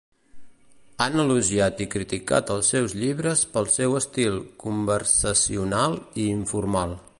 Han elogiat i criticat els seus llibres pel seu estil conversacional i informal.